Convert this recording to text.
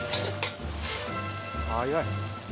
早い。